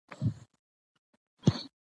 د احمدشاه بابا دور د ځواکمنتیا او ثبات دور و.